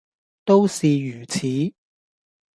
都是如此。